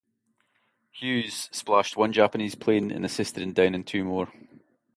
"Hughes" splashed one Japanese plane and assisted in downing two more.